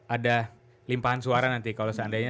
ada limpahan suara nanti kalau seandainya